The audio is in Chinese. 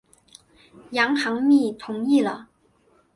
杨行密同意了。